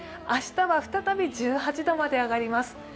明日は再び１８度まで上がります。